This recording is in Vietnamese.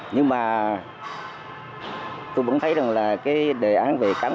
nhưng mà tôi vẫn thấy rằng là cái đề án về cán bộ